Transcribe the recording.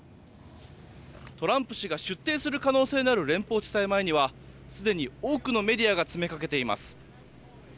トランプ氏が出廷する可能性のある連邦地裁前にはすでに多くのメディアが詰めかけています。